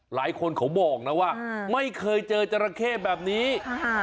หลายคนเขาบอกนะว่าไม่เคยเจอจราเข้แบบนี้ค่ะ